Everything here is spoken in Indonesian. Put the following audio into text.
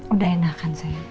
udah enak kan sayang